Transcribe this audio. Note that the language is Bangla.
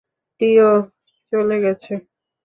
প্রিয় চলে গেছে।